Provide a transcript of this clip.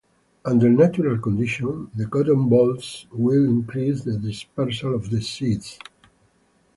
Under natural conditions, the cotton bolls will increase the dispersal of the seeds.